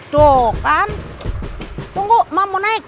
tunggu mak mau naik